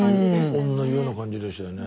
おんなじような感じでしたよね。